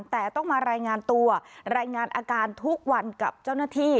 แต่ต้องมารายงานตัวรายงานอาการทุกวันกับเจ้าหน้าที่